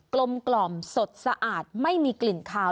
ลมกล่อมสดสะอาดไม่มีกลิ่นขาว